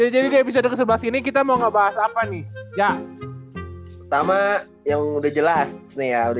jadi episode keseluruhan sini kita mau ngebahas apa nih ya pertama yang udah jelas nih ya udah